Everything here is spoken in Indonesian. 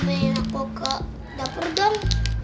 kita mainin aku ke dapur dong